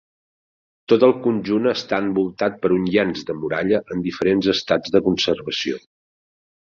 Tot el conjunt està envoltat per un llenç de muralla en diferents estats de conservació.